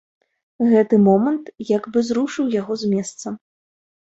Гэты момант як бы зрушыў яго з месца.